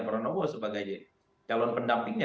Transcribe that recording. peronowo sebagai calon pendampingnya